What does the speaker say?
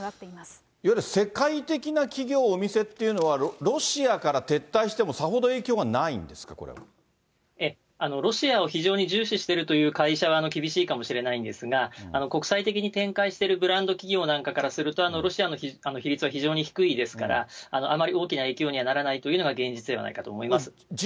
いわゆる世界的な企業、お店というのは、ロシアから撤退してもさほど影響がないんですかロシアを非常に重視しているという会社は厳しいかもしれないんですが、国際的に展開しているブランド企業なんかからすると、ロシアの比率は非常に低いですから、あまり大きな影響にはならないというのが現実ではないかと思いま